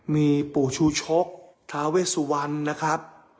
มีปู่ชูชกทาเวสวรรณนะครับ